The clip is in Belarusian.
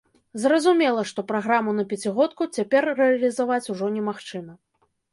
Зразумела, што праграму на пяцігодку цяпер рэалізаваць ужо немагчыма.